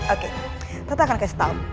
oke tante akan kasih tau